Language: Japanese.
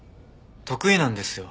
得意なんですよ。